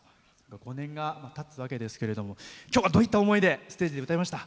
５年が、たつわけですけど今日は、どういった思いでステージで歌いました？